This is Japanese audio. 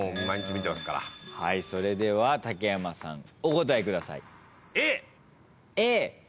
それでは竹山さんお答えください。